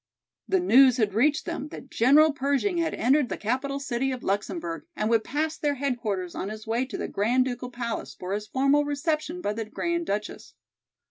The news had reached them that General Pershing had entered the capital city of Luxemburg and would pass their headquarters on his way to the Grand Ducal Palace for his formal reception by the Grand Duchess.